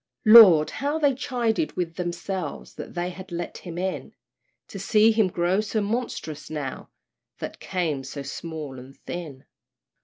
Lord! how they chided with themselves, That they had let him in; To see him grow so monstrous now, That came so small and thin.